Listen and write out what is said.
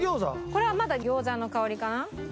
これはまだ餃子の香りかな？